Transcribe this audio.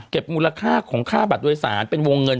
มูลค่าของค่าบัตรโดยสารเป็นวงเงิน